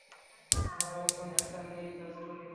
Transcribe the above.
আমরা এখন এটা নিয়েই কাজ করছি!